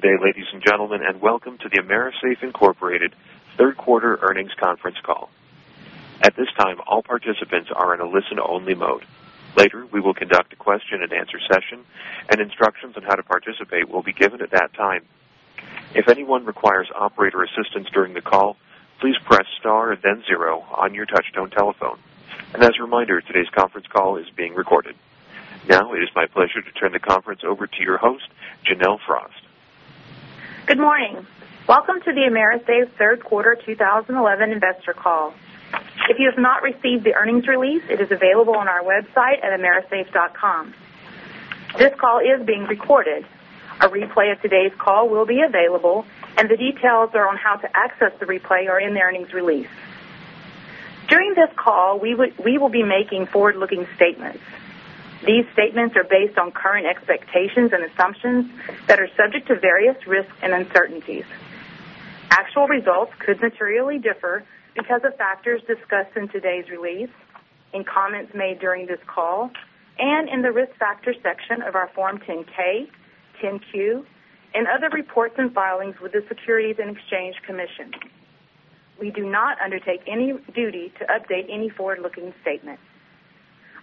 Good day, ladies and gentlemen, and welcome to the AMERISAFE, Inc. third quarter earnings conference call. At this time, all participants are in a listen-only mode. Later, we will conduct a question-and-answer session, and instructions on how to participate will be given at that time. If anyone requires operator assistance during the call, please press star and then zero on your touchtone telephone. As a reminder, today's conference call is being recorded. It is my pleasure to turn the conference over to your host, Janelle Frost. Good morning. Welcome to the AMERISAFE third quarter 2011 investor call. If you have not received the earnings release, it is available on our website at amerisafe.com. This call is being recorded. A replay of today's call will be available, and the details on how to access the replay are in the earnings release. During this call, we will be making forward-looking statements. These statements are based on current expectations and assumptions that are subject to various risks and uncertainties. Actual results could materially differ because of factors discussed in today's release, in comments made during this call, and in the Risk Factors section of our Form 10-K, Form 10-Q, and other reports and filings with the Securities and Exchange Commission. We do not undertake any duty to update any forward-looking statements.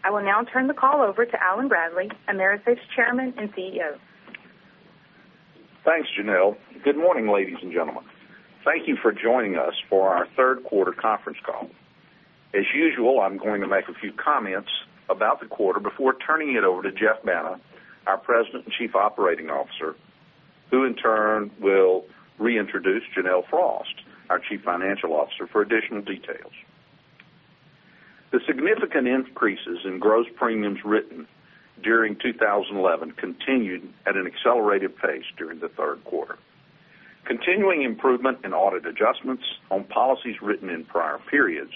I will turn the call over to Allen Bradley, AMERISAFE's Chairman and CEO. Thanks, Janelle. Good morning, ladies and gentlemen. Thank you for joining us for our third quarter conference call. As usual, I am going to make a few comments about the quarter before turning it over to Geoff Banta, our President and Chief Operating Officer, who in turn will reintroduce Janelle Frost, our Chief Financial Officer, for additional details. The significant increases in gross premiums written during 2011 continued at an accelerated pace during the third quarter. Continuing improvement in audit adjustments on policies written in prior periods,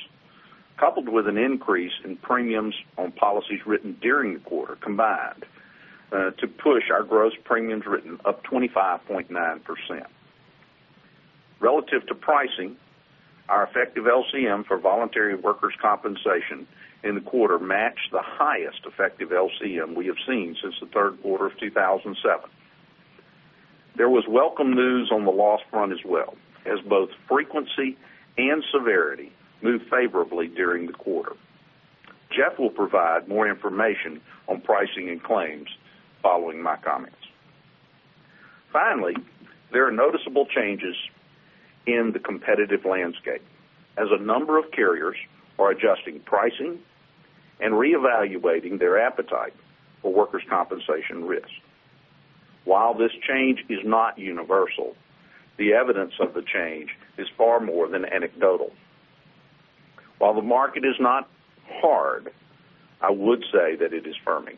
coupled with an increase in premiums on policies written during the quarter combined, to push our gross premiums written up 25.9%. Relative to pricing, our effective LCM for voluntary workers' compensation in the quarter matched the highest effective LCM we have seen since the third quarter of 2007. There was welcome news on the loss front as well, as both frequency and severity moved favorably during the quarter. Jeff will provide more information on pricing and claims following my comments. Finally, there are noticeable changes in the competitive landscape as a number of carriers are adjusting pricing and reevaluating their appetite for workers' compensation risk. While this change is not universal, the evidence of the change is far more than anecdotal. While the market is not hard, I would say that it is firming.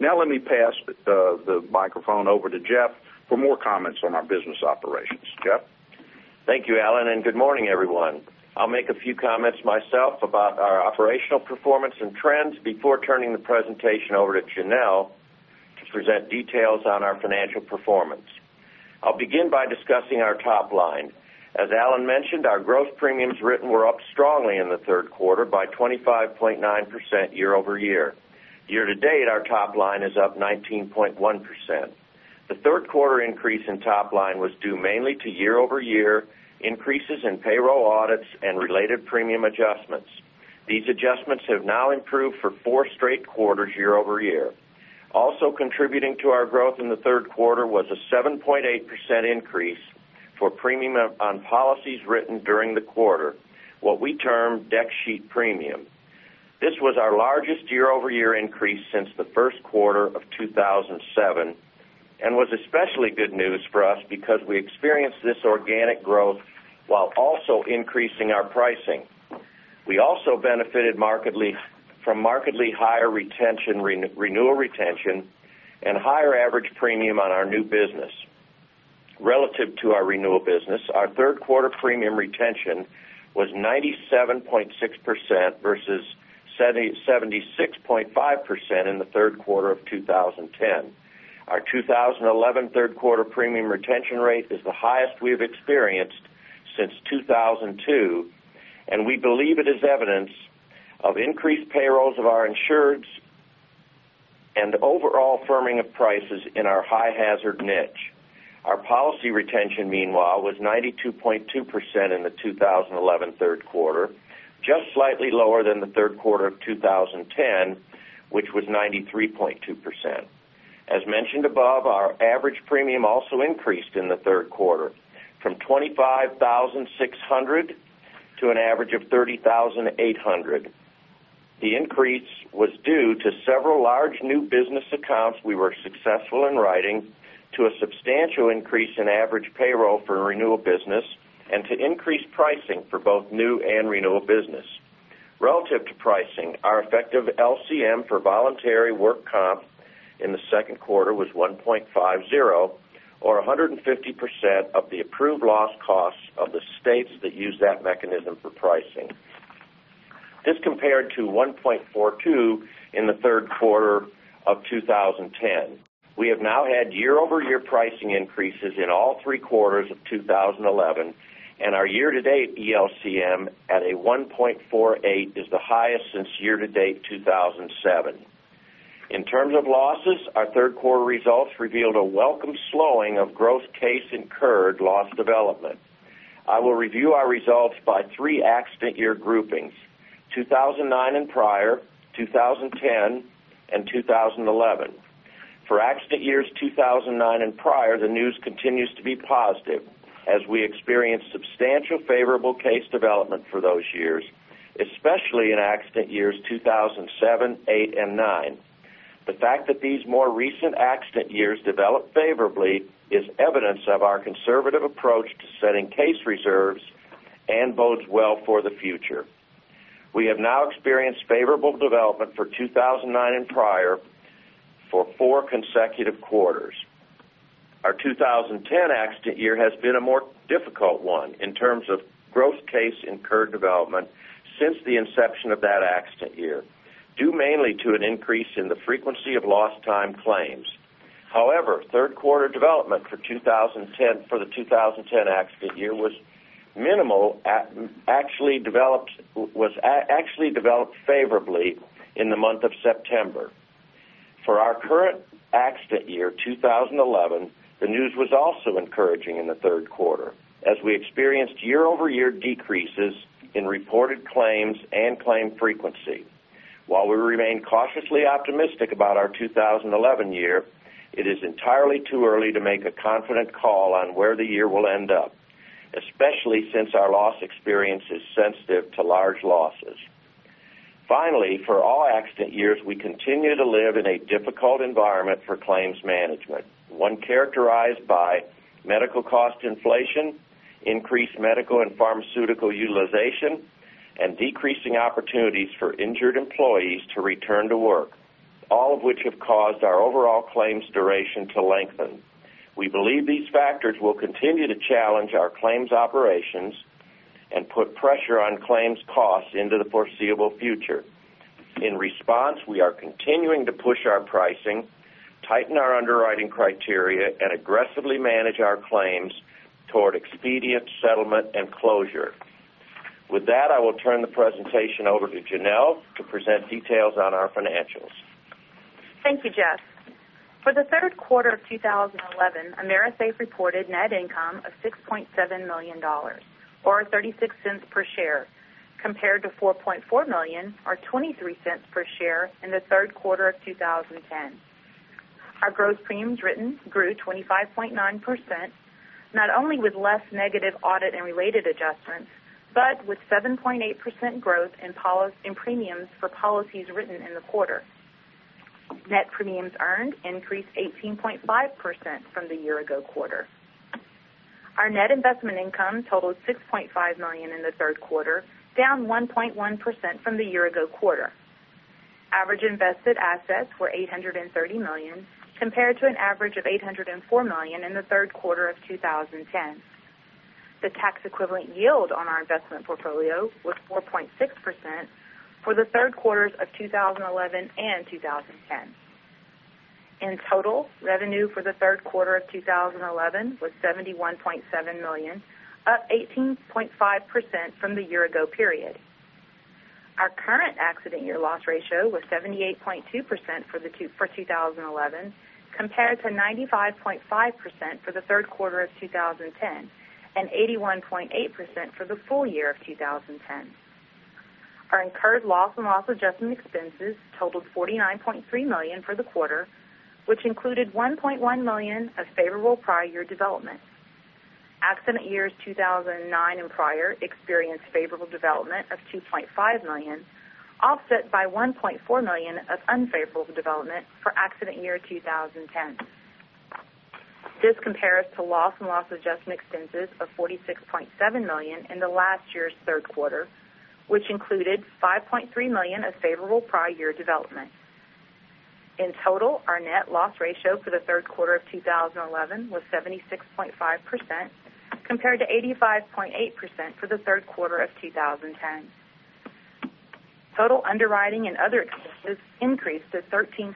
Let me pass the microphone over to Jeff for more comments on our business operations. Jeff? Thank you, Allen, and good morning, everyone. I'll make a few comments myself about our operational performance and trends before turning the presentation over to Janelle to present details on our financial performance. I'll begin by discussing our top line. As Allen mentioned, our gross premiums written were up strongly in the third quarter by 25.9% year-over-year. Year to date, our top line is up 19.1%. The third quarter increase in top line was due mainly to year-over-year increases in payroll audits and related premium adjustments. These adjustments have now improved for four straight quarters year-over-year. Also contributing to our growth in the third quarter was a 7.8% increase for premium on policies written during the quarter, what we term Dec Sheet premium. This was our largest year-over-year increase since the first quarter of 2007 and was especially good news for us because we experienced this organic growth while also increasing our pricing. We also benefited from markedly higher renewal retention and higher average premium on our new business. Relative to our renewal business, our third quarter premium retention was 97.6% versus 76.5% in the third quarter of 2010. Our 2011 third quarter premium retention rate is the highest we've experienced since 2002, and we believe it is evidence of increased payrolls of our insureds and overall firming of prices in our high-hazard niche. Our policy retention, meanwhile, was 92.2% in the 2011 third quarter, just slightly lower than the third quarter of 2010, which was 93.2%. As mentioned above, our average premium also increased in the third quarter from $25,600 to an average of $30,800. The increase was due to several large new business accounts we were successful in writing to a substantial increase in average payroll for renewal business and to increased pricing for both new and renewal business. Relative to pricing, our effective LCM for voluntary work comp in the second quarter was 1.50 or 150% of the approved loss costs of the states that use that mechanism for pricing. This compared to 1.42 in the third quarter of 2010. We have now had year-over-year pricing increases in all three quarters of 2011. Our year-to-date ELCM at a 1.48 is the highest since year-to-date 2007. In terms of losses, our third quarter results revealed a welcome slowing of growth case incurred loss development. I will review our results by three accident year groupings, 2009 and prior, 2010, and 2011. For accident years 2009 and prior, the news continues to be positive as we experience substantial favorable case development for those years, especially in accident years 2007, 2008, and 2009. The fact that these more recent accident years developed favorably is evidence of our conservative approach to setting case reserves and bodes well for the future. We have now experienced favorable development for 2009 and prior for four consecutive quarters. Our 2010 accident year has been a more difficult one in terms of growth case incurred development since the inception of that accident year, due mainly to an increase in the frequency of lost time claims. However, third quarter development for the 2010 accident year was minimal, was actually developed favorably in the month of September. For our current accident year, 2011, the news was also encouraging in the third quarter as we experienced year-over-year decreases in reported claims and claim frequency. While we remain cautiously optimistic about our 2011 year, it is entirely too early to make a confident call on where the year will end up, especially since our loss experience is sensitive to large losses. Finally, for all accident years, we continue to live in a difficult environment for claims management, one characterized by medical cost inflation, increased medical and pharmaceutical utilization, and decreasing opportunities for injured employees to return to work, all of which have caused our overall claims duration to lengthen. We believe these factors will continue to challenge our claims operations and put pressure on claims costs into the foreseeable future. In response, we are continuing to push our pricing, tighten our underwriting criteria, and aggressively manage our claims toward expedient settlement and closure. With that, I will turn the presentation over to Janelle to present details on our financials. Thank you, Jeff. For the third quarter of 2011, AMERISAFE reported net income of $6.7 million, or $0.36 per share, compared to $4.4 million or $0.23 per share in the third quarter of 2010. Our gross premiums written grew 25.9%, not only with less negative audit and related adjustments, but with 7.8% growth in premiums for policies written in the quarter. Net premiums earned increased 18.5% from the year ago quarter. Our net investment income totaled $6.5 million in the third quarter, down 1.1% from the year ago quarter. Average invested assets were $830 million compared to an average of $804 million in the third quarter of 2010. The tax equivalent yield on our investment portfolio was 4.6% for the third quarters of 2011 and 2010. In total, revenue for the third quarter of 2011 was $71.7 million, up 18.5% from the year ago period. Our current accident year loss ratio was 78.2% for 2011 compared to 95.5% for the third quarter of 2010 and 81.8% for the full year of 2010. Our incurred loss and loss adjustment expenses totaled $49.3 million for the quarter, which included $1.1 million of favorable prior year development. Accident years 2009 and prior experienced favorable development of $2.5 million, offset by $1.4 million of unfavorable development for accident year 2010. This compares to loss and loss adjustment expenses of $46.7 million in the last year's third quarter, which included $5.3 million of favorable prior year development. In total, our net loss ratio for the third quarter of 2011 was 76.5%, compared to 85.8% for the third quarter of 2010. Total underwriting and other expenses increased to $13.6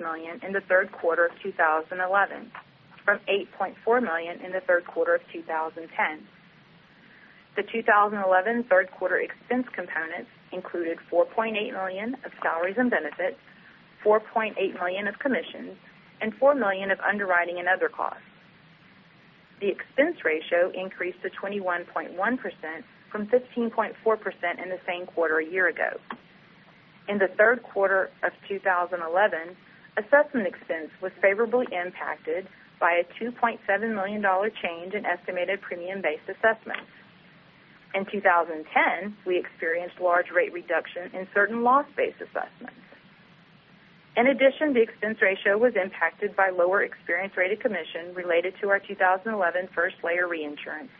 million in the third quarter of 2011 from $8.4 million in the third quarter of 2010. The 2011 third quarter expense components included $4.8 million of salaries and benefits, $4.8 million of commissions, and $4 million of underwriting and other costs. The expense ratio increased to 21.1% from 15.4% in the same quarter a year ago. In the third quarter of 2011, assessment expense was favorably impacted by a $2.7 million change in estimated premium-based assessments. In 2010, we experienced large rate reduction in certain loss-based assessments. In addition, the expense ratio was impacted by lower experience-rated commission related to our 2011 first layer reinsurance.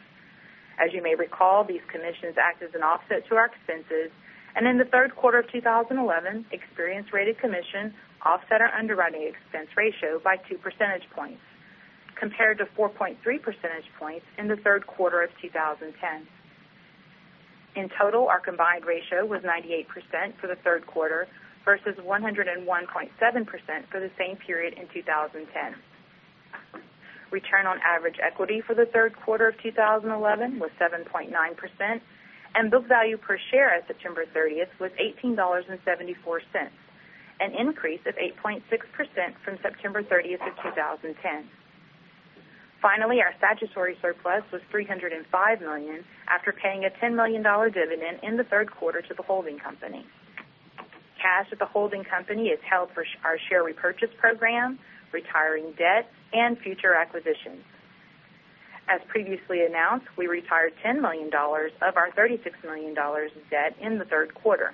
As you may recall, these commissions act as an offset to our expenses, and in the third quarter of 2011, experience-rated commission offset our underwriting expense ratio by two percentage points compared to 4.3 percentage points in the third quarter of 2010. In total, our combined ratio was 98% for the third quarter versus 101.7% for the same period in 2010. Return on average equity for the third quarter of 2011 was 7.9%, and book value per share at September 30th was $18.74, an increase of 8.6% from September 30th of 2010. Finally, our statutory surplus was $305 million after paying a $10 million dividend in the third quarter to the holding company. Cash at the holding company is held for our share repurchase program, retiring debt, and future acquisitions. As previously announced, we retired $10 million of our $36 million debt in the third quarter.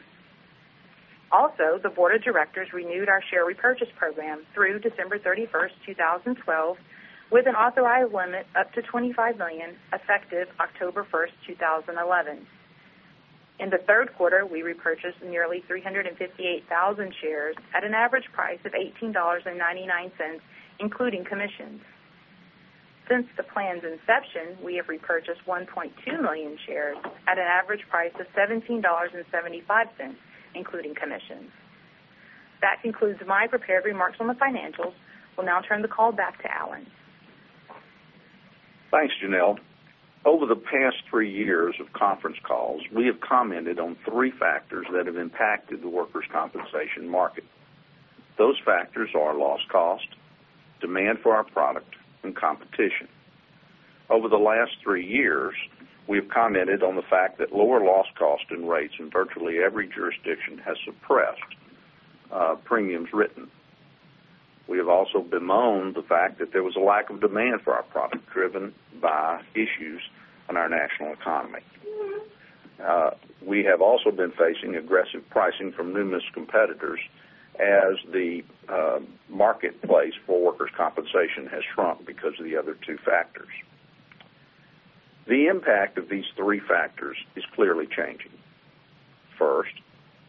Also, the board of directors renewed our share repurchase program through December 31st, 2012, with an authorized limit up to $25 million, effective October 1st, 2011. In the third quarter, we repurchased nearly 358,000 shares at an average price of $18.99, including commissions. Since the plan's inception, we have repurchased 1.2 million shares at an average price of $17.75, including commissions. That concludes my prepared remarks on the financials. We will now turn the call back to Allen. Thanks, Janelle. Over the past three years of conference calls, we have commented on three factors that have impacted the workers' compensation market. Those factors are loss cost, demand for our product, and competition. Over the last three years, we have commented on the fact that lower loss cost and rates in virtually every jurisdiction has suppressed premiums written. We have also bemoaned the fact that there was a lack of demand for our product, driven by issues in our national economy. We have also been facing aggressive pricing from numerous competitors as the marketplace for workers' compensation has shrunk because of the other two factors. The impact of these three factors is clearly changing. First,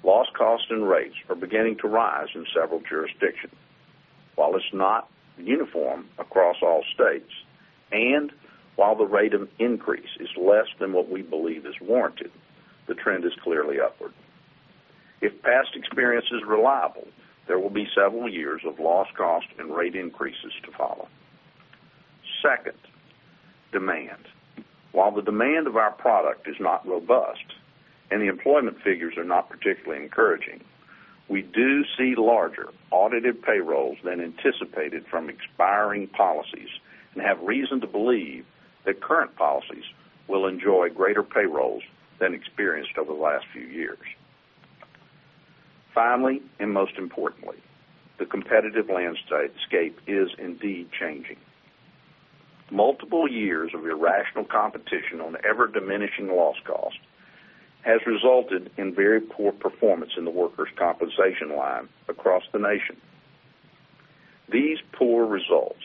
loss cost and rates are beginning to rise in several jurisdictions. While it's not uniform across all states, and while the rate of increase is less than what we believe is warranted, the trend is clearly upward. If past experience is reliable, there will be several years of loss cost and rate increases to follow. Second, demand. While the demand of our product is not robust and the employment figures are not particularly encouraging, we do see larger audited payrolls than anticipated from expiring policies and have reason to believe that current policies will enjoy greater payrolls than experienced over the last few years. Finally, and most importantly, the competitive landscape is indeed changing. Multiple years of irrational competition on ever-diminishing loss cost has resulted in very poor performance in the workers' compensation line across the nation. These poor results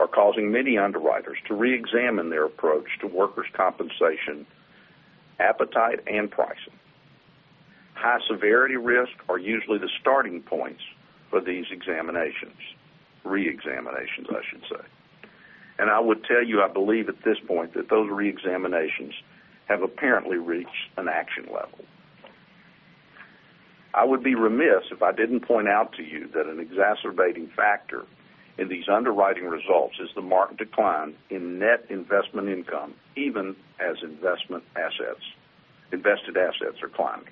are causing many underwriters to reexamine their approach to workers' compensation, appetite, and pricing. High-severity risks are usually the starting points for these reexaminations. I would tell you, I believe at this point that those reexaminations have apparently reached an action level. I would be remiss if I didn't point out to you that an exacerbating factor in these underwriting results is the marked decline in net investment income, even as invested assets are climbing.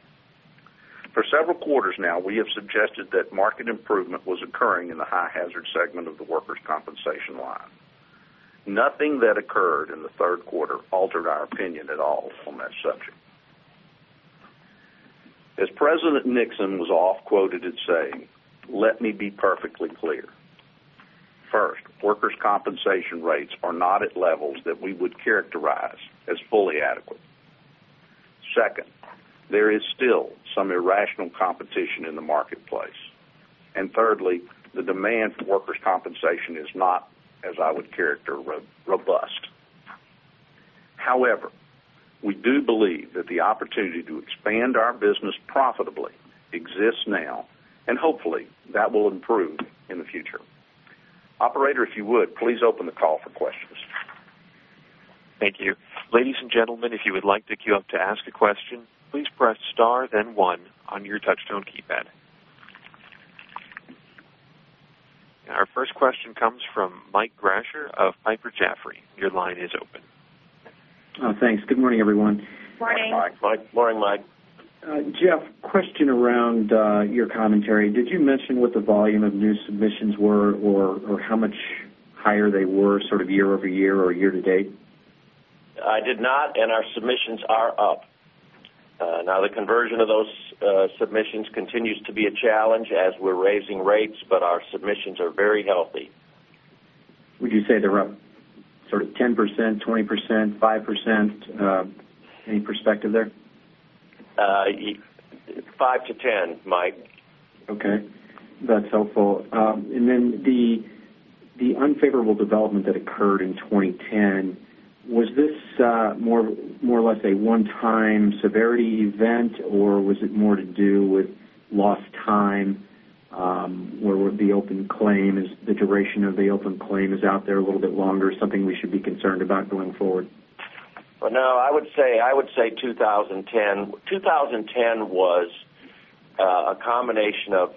For several quarters now, we have suggested that market improvement was occurring in the high-hazard segment of the workers' compensation line. Nothing that occurred in the third quarter altered our opinion at all on that subject. As President Nixon was often quoted as saying, let me be perfectly clear. First, workers' compensation rates are not at levels that we would characterize as fully adequate. Second, there is still some irrational competition in the marketplace. Thirdly, the demand for workers' compensation is not, as I would characterize, robust. However, we do believe that the opportunity to expand our business profitably exists now, and hopefully, that will improve in the future. Operator, if you would, please open the call for questions. Thank you. Ladies and gentlemen, if you would like to queue up to ask a question, please press star then one on your touchtone keypad. Our first question comes from Mike Grasher of Piper Jaffray. Your line is open. Oh, thanks. Good morning, everyone. Morning. Hi, Mike. Morning, Mike. Jeff, question around your commentary. Did you mention what the volume of new submissions were, or how much higher they were sort of year-over-year or year-to-date? I did not, our submissions are up. The conversion of those submissions continues to be a challenge as we're raising rates, our submissions are very healthy. Would you say they're up sort of 10%, 20%, 5%? Any perspective there? Five to 10, Mike. That's helpful. The unfavorable development that occurred in 2010, was this more or less a one-time severity event, or was it more to do with lost time? Where would the open claim, the duration of the open claim is out there a little bit longer, something we should be concerned about going forward? Well, no. I would say 2010 was a combination of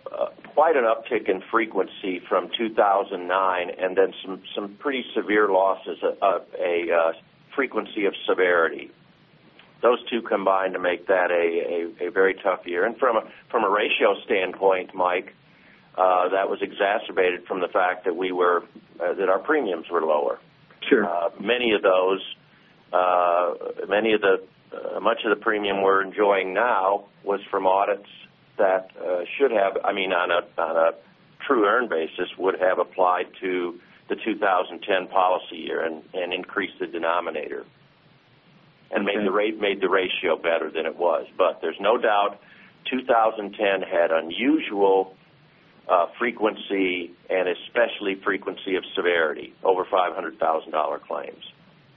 quite an uptick in frequency from 2009 and then some pretty severe losses of a frequency of severity. Those two combined to make that a very tough year. From a ratio standpoint, Mike, that was exacerbated from the fact that our premiums were lower. Sure. Much of the premium we're enjoying now was from audits that should have, on a true earn basis, would have applied to the 2010 policy year and increased the denominator. Okay. Made the ratio better than it was. There's no doubt 2010 had unusual frequency, and especially frequency of severity, over $500,000 claims.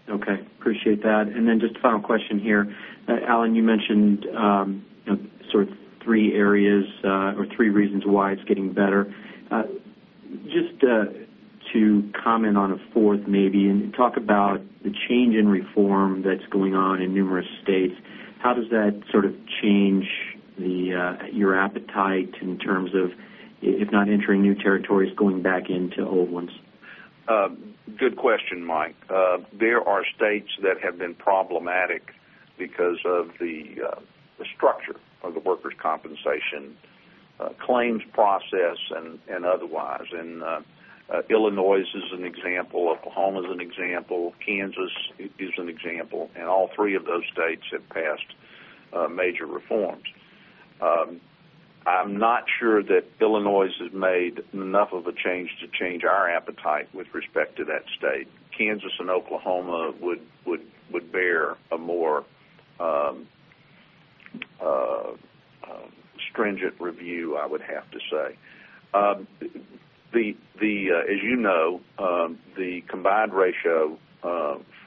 Okay. Appreciate that. Then just a final question here. Allen, you mentioned sort of three areas or three reasons why it's getting better. Just to comment on a fourth maybe, and talk about the change in reform that's going on in numerous states. How does that sort of change your appetite in terms of, if not entering new territories, going back into old ones? Good question, Mike. There are states that have been problematic because of the structure of the workers' compensation claims process and otherwise. Illinois is an example. Oklahoma is an example. Kansas is an example. All three of those states have passed major reforms. I'm not sure that Illinois has made enough of a change to change our appetite with respect to that state. Kansas and Oklahoma would bear a more stringent review, I would have to say. As you know, the combined ratio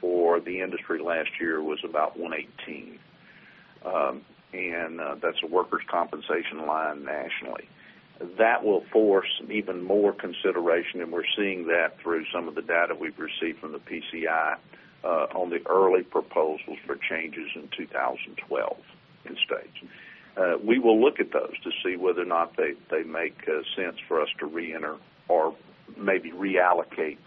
for the industry last year was about 118. That's a workers' compensation line nationally. That will force even more consideration, and we're seeing that through some of the data we've received from the PCI on the early proposals for changes in 2012 in states. We will look at those to see whether or not they make sense for us to reenter or maybe reallocate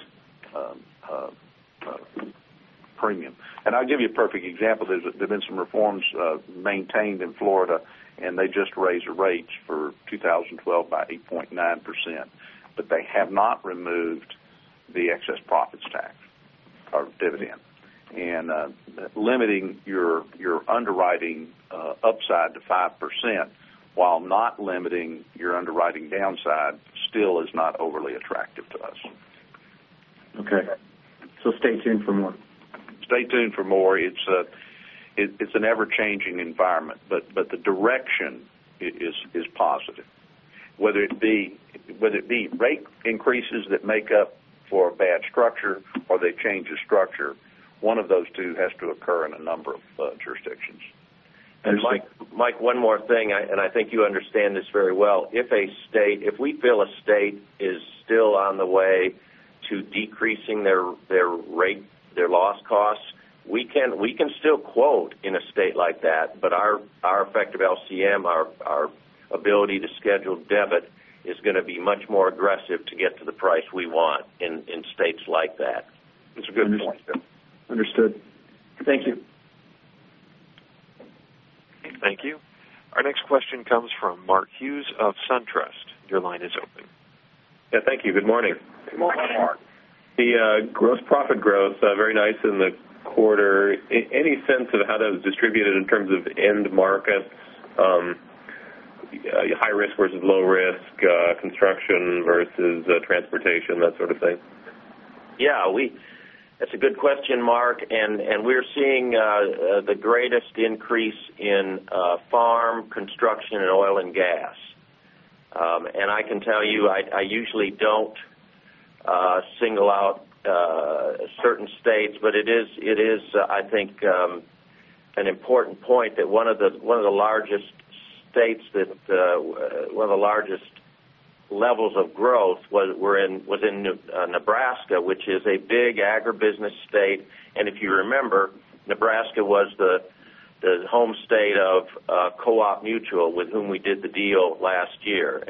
premium. I'll give you a perfect example. There's been some reforms maintained in Florida, and they just raised the rates for 2012 by 8.9%, but they have not removed the excess profits tax or dividend. Limiting your underwriting upside to 5% while not limiting your underwriting downside still is not overly attractive to us. Okay. Stay tuned for more. Stay tuned for more. It's an ever-changing environment. The direction is positive. Whether it be rate increases that make up for a bad structure or they change the structure, one of those two has to occur in a number of jurisdictions. Mike, one more thing, I think you understand this very well. If we feel a state is still on the way to decreasing their loss costs, we can still quote in a state like that, but our effective LCM, our ability to schedule debit, is going to be much more aggressive to get to the price we want in states like that. That's a good point. Understood. Thank you. Thank you. Our next question comes from Mark Hughes of SunTrust. Your line is open. Yeah, thank you. Good morning. Good morning, Mark. The gross profit growth, very nice in the quarter. Any sense of how that was distributed in terms of end market? High risk versus low risk, construction versus transportation, that sort of thing? Yeah. That's a good question, Mark. We're seeing the greatest increase in farm, construction, and oil and gas. I can tell you, I usually don't single out certain states, but it is, I think, an important point that one of the largest levels of growth was in Nebraska, which is a big agribusiness state. If you remember, Nebraska was the home state of Co-op Mutual, with whom we did the deal last year.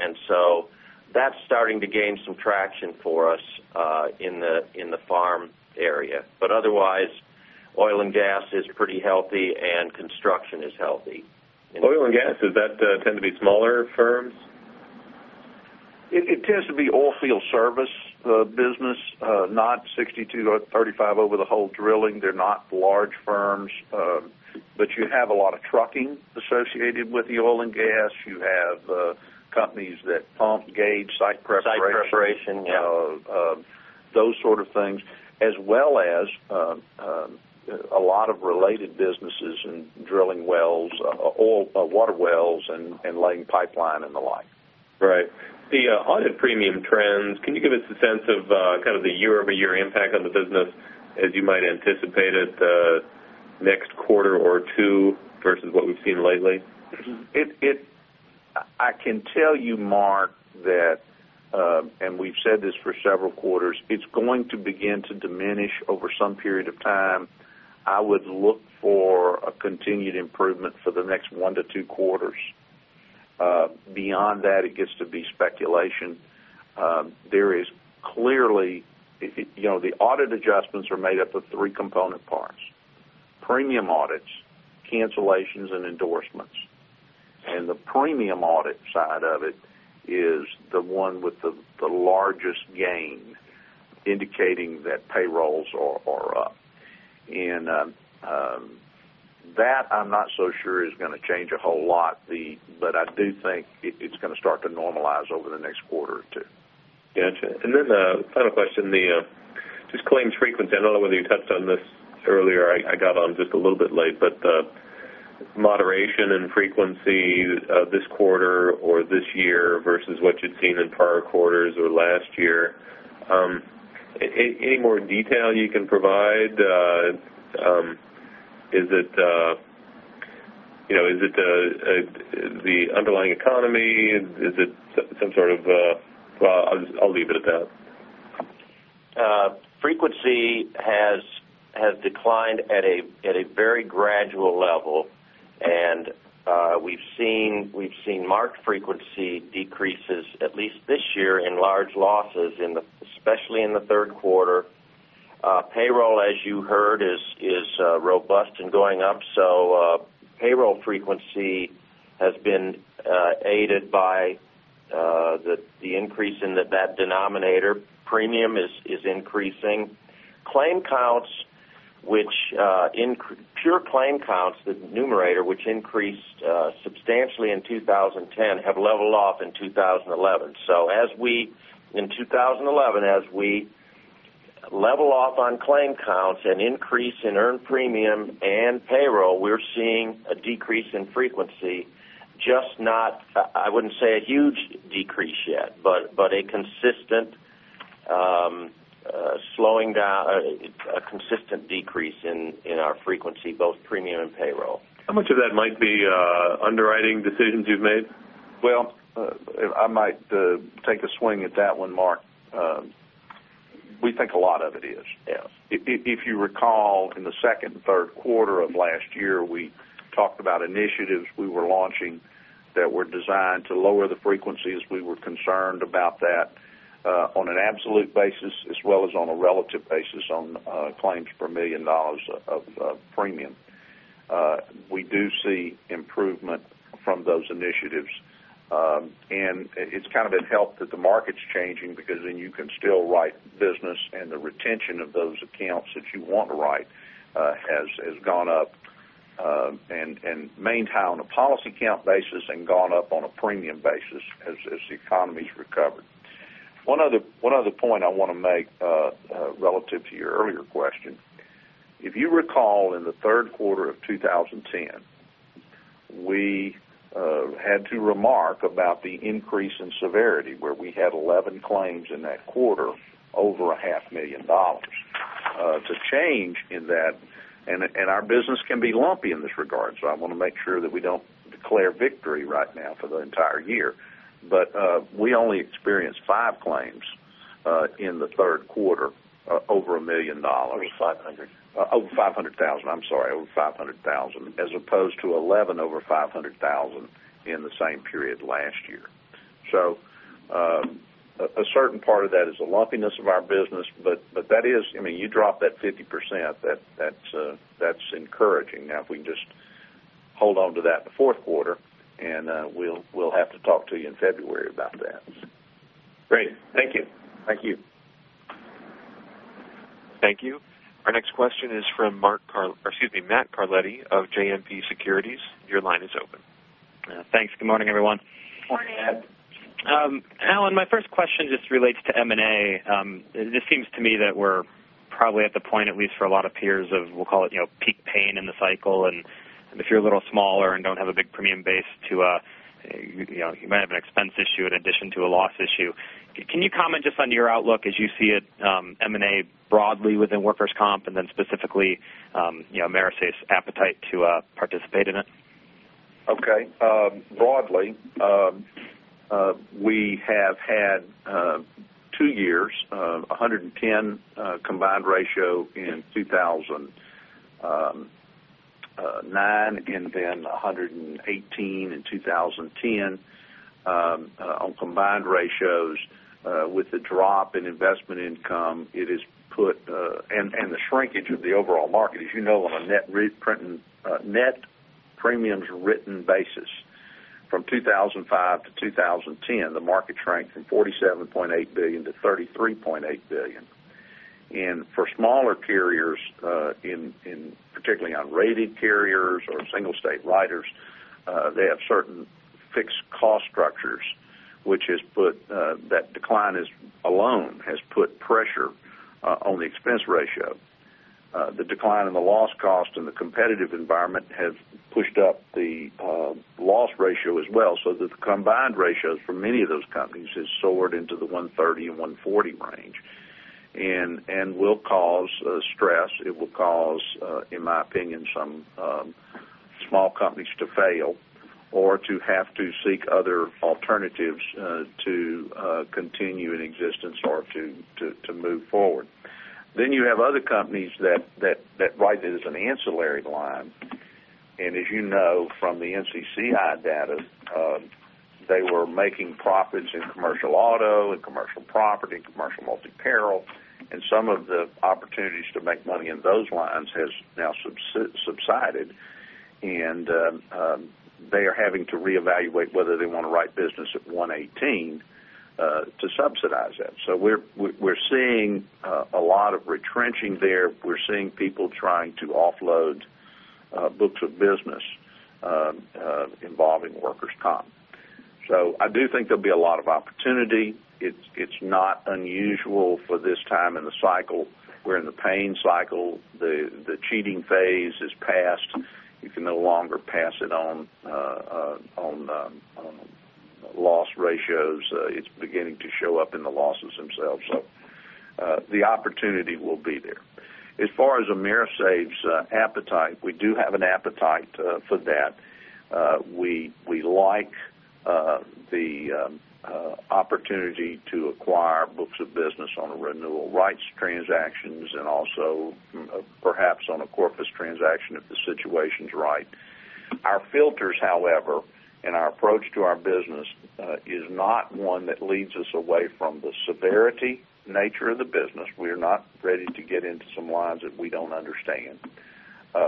That's starting to gain some traction for us in the farm area. Otherwise, oil and gas is pretty healthy, and construction is healthy. Oil and gas, does that tend to be smaller firms? It tends to be oil field service business, not 6205, 35 over the whole drilling. They're not large firms. You have a lot of trucking associated with the oil and gas. You have companies that pump, gauge, site preparation- Site preparation, yeah. Those sort of things, as well as a lot of related businesses in drilling wells, water wells, and laying pipeline and the like. Right. The audit premium trends, can you give us a sense of kind of the year-over-year impact on the business as you might anticipate it next quarter or two versus what we've seen lately? I can tell you, Mark, that, we've said this for several quarters, it's going to begin to diminish over some period of time. I would look for a continued improvement for the next one to two quarters. Beyond that, it gets to be speculation. The audit adjustments are made up of three component parts. Premium audits, cancellations, and endorsements. The premium audit side of it is the one with the largest gain, indicating that payrolls are up. That I'm not so sure is going to change a whole lot. I do think it's going to start to normalize over the next quarter or two. Got you. Then the final question, just claims frequency. I don't know whether you touched on this earlier. I got on just a little bit late, moderation and frequency this quarter or this year versus what you'd seen in prior quarters or last year. Any more detail you can provide? Is it the underlying economy? Is it some sort of Well, I'll leave it at that. Frequency has declined at a very gradual level, we've seen marked frequency decreases, at least this year, in large losses, especially in the third quarter. Payroll, as you heard, is robust and going up. Payroll frequency has been aided by the increase in that denominator. Premium is increasing. Pure claim counts, the numerator, which increased substantially in 2010, have leveled off in 2011. In 2011, as we level off on claim counts an increase in earned premium and payroll, we're seeing a decrease in frequency. Just not, I wouldn't say a huge decrease yet, but a consistent decrease in our frequency, both premium and payroll. How much of that might be underwriting decisions you've made? Well, I might take a swing at that one, Mark. We think a lot of it is. Yes. If you recall, in the second and third quarter of last year, we talked about initiatives we were launching that were designed to lower the frequencies. We were concerned about that on an absolute basis as well as on a relative basis on claims per $1 million of premium. We do see improvement from those initiatives. It's kind of been helped that the market's changing because then you can still write business, and the retention of those accounts that you want to write has gone up and maintained on a policy count basis and gone up on a premium basis as the economy's recovered. One other point I want to make relative to your earlier question. If you recall, in the third quarter of 2010, we had to remark about the increase in severity, where we had 11 claims in that quarter over a half million dollars. To change in that, our business can be lumpy in this regard, I want to make sure that we don't declare victory right now for the entire year. We only experienced five claims in the third quarter over $1 million. Over 500. Over 500,000. I'm sorry. Over 500,000 as opposed to 11 over 500,000 in the same period last year. A certain part of that is the lumpiness of our business, but you drop that 50%, that's encouraging. Now, if we can just hold on to that in the fourth quarter, we'll have to talk to you in February about that. Great. Thank you. Thank you. Thank you. Our next question is from Matthew Carletti of JMP Securities. Your line is open. Thanks. Good morning, everyone. Morning. Allen, my first question just relates to M&A. It just seems to me that we're probably at the point, at least for a lot of peers of, we'll call it, peak pain in the cycle. If you're a little smaller and don't have a big premium base, you might have an expense issue in addition to a loss issue. Can you comment just on your outlook as you see it, M&A broadly within workers' comp and then specifically AMERISAFE's appetite to participate in it? Okay. Broadly, we have had two years, 110 combined ratio in 2009, then 118 in 2010 on combined ratios. With the drop in investment income, the shrinkage of the overall market, as you know, on a net premiums written basis from 2005 to 2010, the market shrank from $47.8 billion to $33.8 billion. For smaller carriers, and particularly on rated carriers or single state writers, they have certain fixed cost structures. That decline alone has put pressure on the expense ratio. The decline in the loss cost and the competitive environment have pushed up the loss ratio as well, so that the combined ratios for many of those companies has soared into the 130 and 140 range. Will cause stress. It will cause, in my opinion, some small companies to fail or to have to seek other alternatives to continue in existence or to move forward. You have other companies that write it as an ancillary line. As you know from the NCCI data, they were making profits in commercial auto, in commercial property, in commercial multi-peril, and some of the opportunities to make money in those lines has now subsided. They are having to reevaluate whether they want to write business at 118 to subsidize that. We're seeing a lot of retrenching there. We're seeing people trying to offload books of business involving workers' comp. I do think there'll be a lot of opportunity. It's not unusual for this time in the cycle. We're in the pain cycle. The cheating phase has passed. You can no longer pass it on loss ratios. It's beginning to show up in the losses themselves. The opportunity will be there. As far as AMERISAFE's appetite, we do have an appetite for that. We like the opportunity to acquire books of business on a renewal rights transactions and also perhaps on a corpus transaction if the situation's right. Our filters, however, and our approach to our business is not one that leads us away from the severity nature of the business. We are not ready to get into some lines that we don't understand.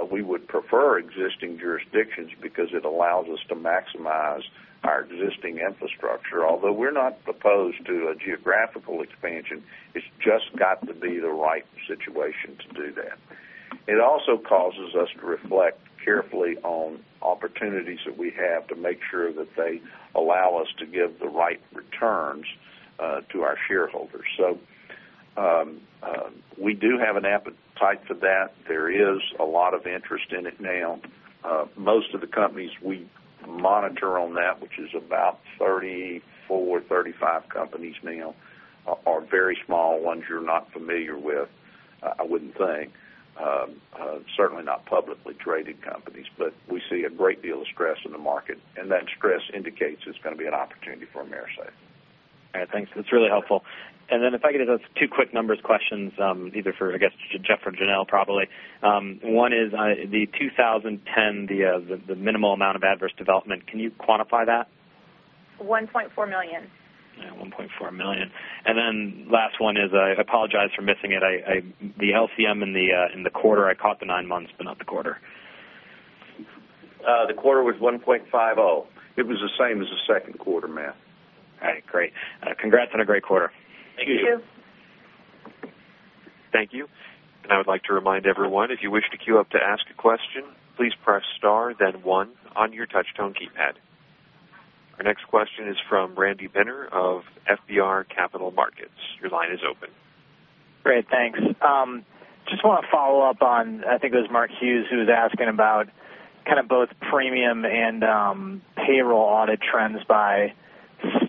We would prefer existing jurisdictions because it allows us to maximize our existing infrastructure, although we're not opposed to a geographical expansion. It's just got to be the right situation to do that. It also causes us to reflect carefully on opportunities that we have to make sure that they allow us to give the right returns to our shareholders. We do have an appetite for that. There is a lot of interest in it now. Most of the companies we monitor on that, which is about 34, 35 companies now, are very small ones you're not familiar with, I wouldn't think. Certainly not publicly traded companies, but we see a great deal of stress in the market, and that stress indicates it's going to be an opportunity for AMERISAFE. All right, thanks. That's really helpful. Then if I could have those two quick numbers questions, either for, I guess, Jeff or Janelle, probably. One is the 2010, the minimal amount of adverse development. Can you quantify that? $1.4 million. Yeah, $1.4 million. Then last one is, I apologize for missing it, the LCM in the quarter. I caught the nine months, but not the quarter. The quarter was 1.50. It was the same as the second quarter, Matt. All right, great. Congrats on a great quarter. Thank you. Thank you. Thank you. I would like to remind everyone, if you wish to queue up to ask a question, please press star then one on your touch tone keypad. Our next question is from Randy Binner of FBR Capital Markets. Your line is open. Great, thanks. Just want to follow up on, I think it was Mark Hughes who was asking about kind of both premium and payroll audit trends by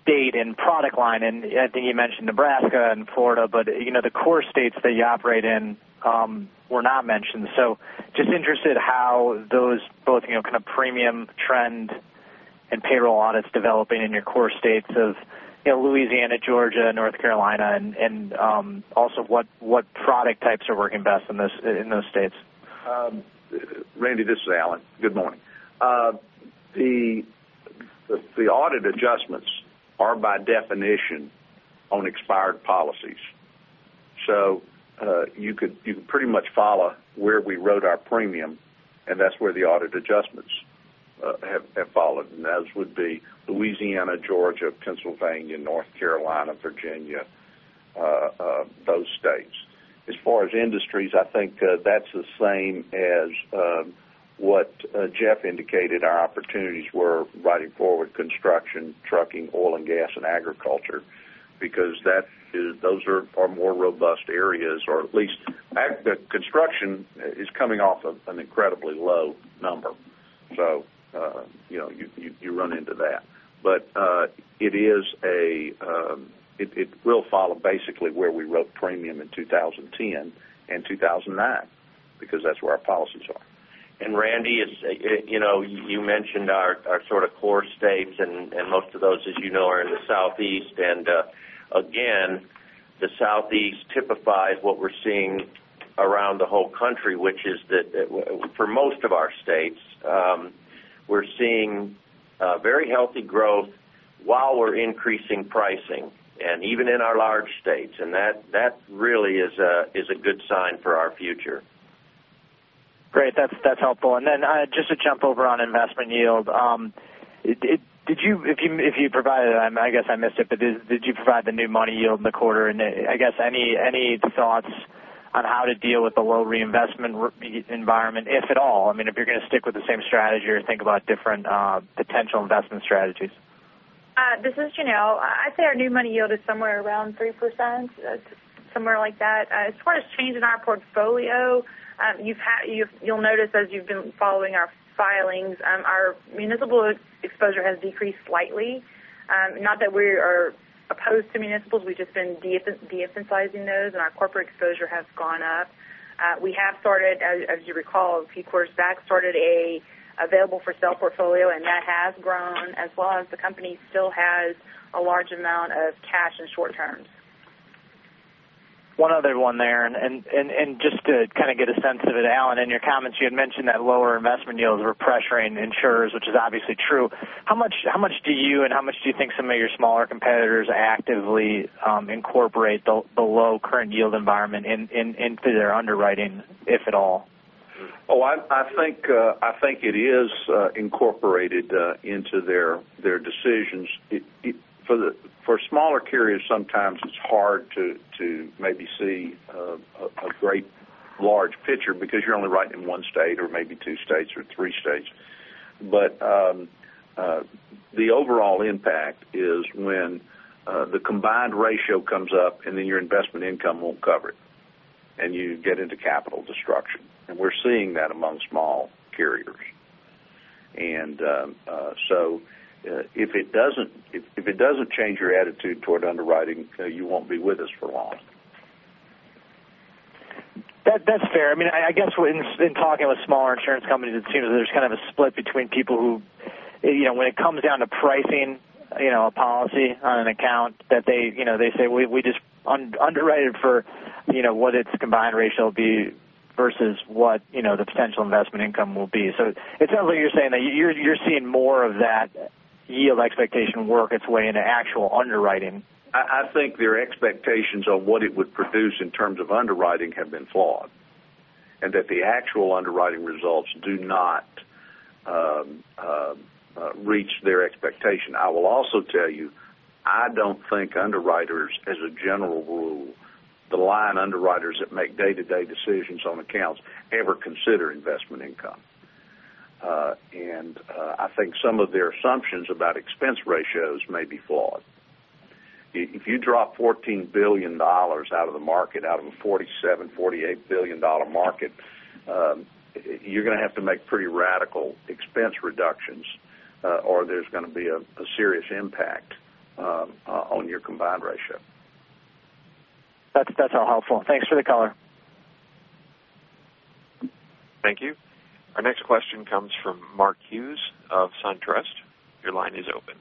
state and product line, and I think he mentioned Nebraska and Florida. The core states that you operate in were not mentioned. Just interested how those both kind of premium trend and payroll audits developing in your core states of Louisiana, Georgia, North Carolina, and also what product types are working best in those states. Randy, this is Allen. Good morning. The audit adjustments are by definition on expired policies. You can pretty much follow where we wrote our premium, and that's where the audit adjustments have followed, and those would be Louisiana, Georgia, Pennsylvania, North Carolina, Virginia, those states. As far as industries, I think that's the same as what Jeff indicated. Our opportunities were writing forward construction, trucking, oil and gas, and agriculture because those are more robust areas, or at least construction is coming off of an incredibly low number. You run into that. It will follow basically where we wrote premium in 2010 and 2009, because that's where our policies are. Randy, you mentioned our sort of core states, and most of those, as you know, are in the Southeast. Again, the Southeast typifies what we're seeing around the whole country, which is that for most of our states, we're seeing very healthy growth while we're increasing pricing. Even in our large states. That really is a good sign for our future. Great. That's helpful. Just to jump over on investment yield. If you provided, I guess I missed it, but did you provide the new money yield in the quarter? I guess, any thoughts on how to deal with the low reinvestment environment, if at all? I mean, if you're going to stick with the same strategy or think about different potential investment strategies. This is Janelle. I'd say our new money yield is somewhere around 3%, somewhere like that. As far as change in our portfolio, you'll notice as you've been following our filings, our municipal exposure has decreased slightly. Not that we are opposed to municipals, we've just been de-emphasizing those, and our corporate exposure has gone up. We have started, as you recall, a few quarters back, started an available-for-sale portfolio, and that has grown as well as the company still has a large amount of cash and short terms. One other one there, just to kind of get a sense of it, Allen, in your comments, you had mentioned that lower investment yields were pressuring insurers, which is obviously true. How much do you, how much do you think some of your smaller competitors actively incorporate the low current yield environment into their underwriting, if at all? I think it is incorporated into their decisions. For smaller carriers, sometimes it's hard to maybe see a great large picture because you're only writing in one state or maybe two states or three states. The overall impact is when the combined ratio comes up, and then your investment income won't cover it, and you get into capital destruction. We're seeing that among small carriers. If it doesn't change your attitude toward underwriting, you won't be with us for long. That's fair. I guess in talking with smaller insurance companies, it seems there's kind of a split between people who, when it comes down to pricing a policy on an account that they say, "We just underwrite it for what its combined ratio will be versus what the potential investment income will be." It sounds like you're saying that you're seeing more of that yield expectation work its way into actual underwriting. I think their expectations of what it would produce in terms of underwriting have been flawed, and that the actual underwriting results do not reach their expectation. I will also tell you, I don't think underwriters, as a general rule, the line underwriters that make day-to-day decisions on accounts ever consider investment income. I think some of their assumptions about expense ratios may be flawed. If you drop $14 billion out of the market, out of a $47, $48 billion market, you're going to have to make pretty radical expense reductions, or there's going to be a serious impact on your combined ratio. That's all helpful. Thanks for the color. Thank you. Our next question comes from Mark Hughes of SunTrust. Your line is open.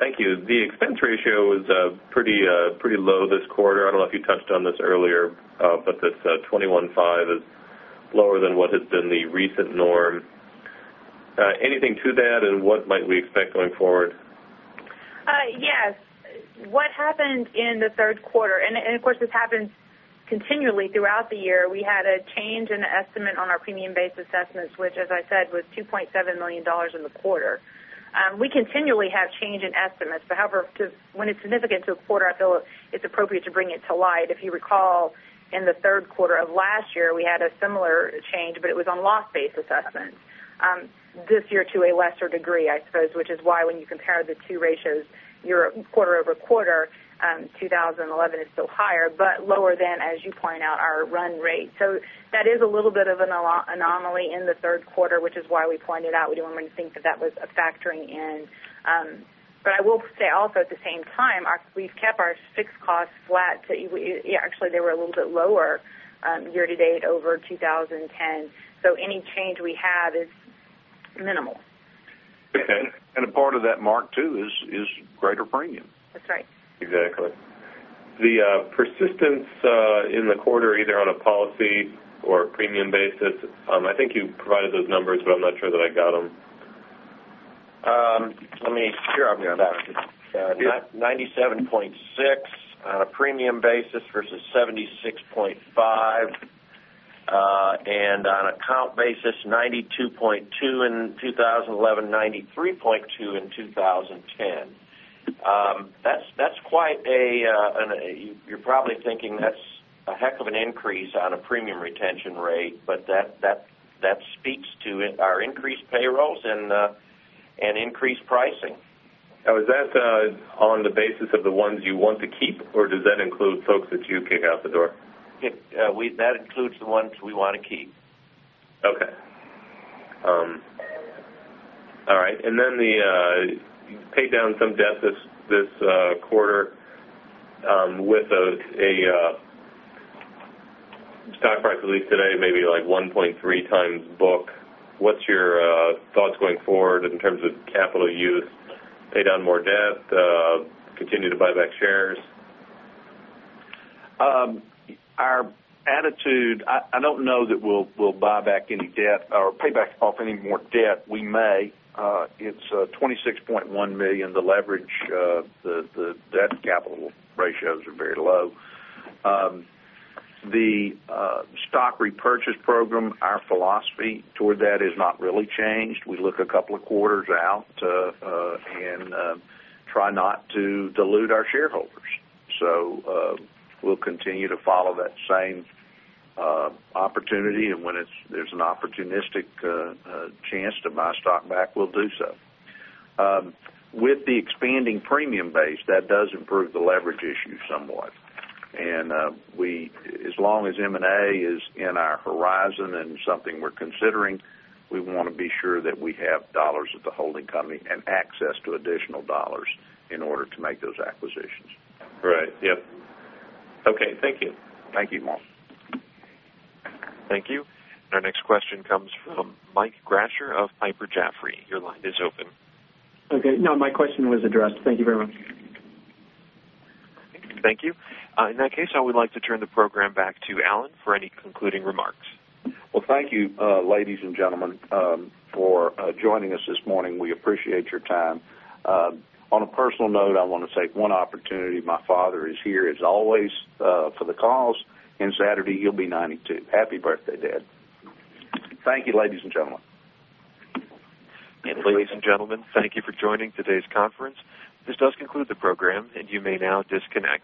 Thank you. The expense ratio is pretty low this quarter. I don't know if you touched on this earlier, but this 21.5% is lower than what has been the recent norm. Anything to that, and what might we expect going forward? Yes. What happened in the third quarter, of course, this happens continually throughout the year, we had a change in the estimate on our premium-based assessments, which, as I said, was $2.7 million in the quarter. We continually have change in estimates. However, when it's significant to a quarter, I feel it's appropriate to bring it to light. If you recall, in the third quarter of last year, we had a similar change, but it was on loss-based assessments. This year to a lesser degree, I suppose, which is why when you compare the two ratios, quarter-over-quarter, 2011 is still higher, but lower than, as you point out, our run rate. That is a little bit of an anomaly in the third quarter, which is why we pointed out we don't want to think that that was a factoring in. I will say also at the same time, we've kept our fixed costs flat. Actually, they were a little bit lower year to date over 2010. Any change we have is minimal. Okay. A part of that, Mark, too, is greater premium. That's right. Exactly. The persistence in the quarter, either on a policy or a premium basis, I think you provided those numbers, but I'm not sure that I got them. Let me. Here I've got that. 97.6% on a premium basis versus 76.5%. On an account basis, 92.2% in 2011, 93.2% in 2010. You're probably thinking that's a heck of an increase on a premium retention rate, that speaks to our increased payrolls and increased pricing. Now, is that on the basis of the ones you want to keep, or does that include folks that you kick out the door? That includes the ones we want to keep. Okay. All right. You paid down some debt this quarter with a stock price, at least today, maybe like 1.3 times book. What's your thoughts going forward in terms of capital use? Pay down more debt? Continue to buy back shares? Our attitude, I don't know that we'll buy back any debt or pay back off any more debt. We may. It's $26.1 million. The leverage, the debt to capital ratios are very low. The stock repurchase program, our philosophy toward that has not really changed. We look a couple of quarters out and try not to dilute our shareholders. We'll continue to follow that same opportunity, and when there's an opportunistic chance to buy stock back, we'll do so. With the expanding premium base, that does improve the leverage issue somewhat. As long as M&A is in our horizon and something we're considering, we want to be sure that we have dollars at the holding company and access to additional dollars in order to make those acquisitions. Right. Yep. Okay. Thank you. Thank you, Mark. Thank you. Our next question comes from Mike Grasher of Piper Jaffray. Your line is open. Okay. No, my question was addressed. Thank you very much. Thank you. In that case, I would like to turn the program back to Allen for any concluding remarks. Well, thank you, ladies and gentlemen, for joining us this morning. We appreciate your time. On a personal note, I want to take one opportunity. My father is here, as always, for the calls, and Saturday, he'll be 92. Happy birthday, Dad. Thank you, ladies and gentlemen. Ladies and gentlemen, thank you for joining today's conference. This does conclude the program, and you may now disconnect.